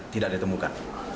ternyata tidak ditemukan